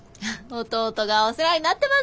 弟がお世話になってます。